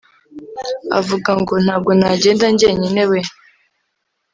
avuga ngo “ntabwo nagenda njyenyine weeee